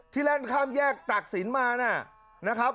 ที่เล่นข้ามแยกตากสินมานะครับ